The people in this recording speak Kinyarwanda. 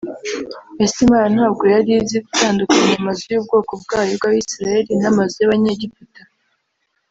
“ Ese Imana ntabwo yari izi gutandukanya amazu y’ubwoko bwayo bw’Abisiraheli n’amazu y’Abanyegiputa